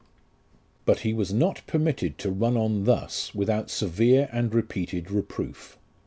But he was not permitted to run on thus without severe and repeated reproof.